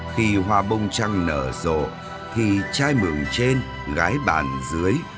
khi hoa bông trăng nở rộ thì trai mường trên gái bàn dưới